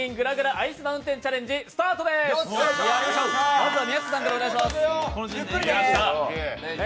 まずは宮下さんからお願いします。